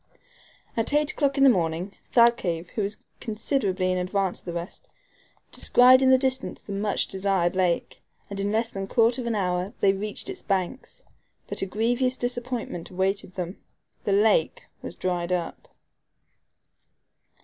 At eight o'clock in the evening, Thalcave, who was considerably in advance of the rest, descried in the distance the much desired lake, and in less than a quarter of an hour they reached its banks; but a grievous disappointment awaited them the lake was dried up.